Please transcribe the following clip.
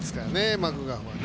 マクガフはね。